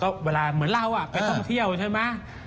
โอ๊ะเหมือนเราก็ไปท่องเที่ยวใช่มะ